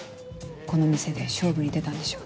この店で勝負に出たんでしょう。